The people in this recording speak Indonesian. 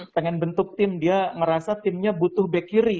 pengen bentuk tim dia merasa timnya butuh back kiri